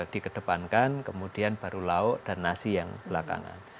dikedepankan kemudian baru lauk dan nasi yang belakangan